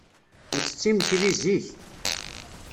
Nettett imekli zik.